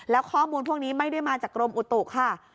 แล้วข้อมูลพวกนี้ไม่ได้มาจากกรมอุตุค่ะ